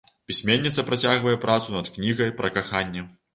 Пісьменніца працягвае працу над кнігай пра каханне.